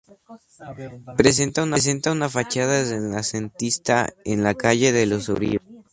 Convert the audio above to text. Presenta una fachada renacentista en la calle de los Uribe.